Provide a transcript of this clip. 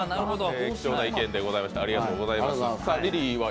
貴重な意見でございました。